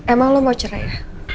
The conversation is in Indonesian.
emang lo mau cerai ya